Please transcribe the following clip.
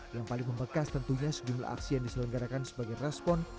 yang paling membekas tentunya sejumlah aksi yang diselenggarakan sebagai respon